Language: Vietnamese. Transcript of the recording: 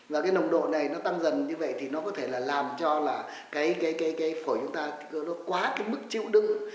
và cái nồng độ này nó tăng dần như vậy thì nó có thể là làm cho là cái phổi chúng ta nó quá cái mức chịu đựng